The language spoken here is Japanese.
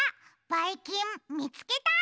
ばいきんみつけた！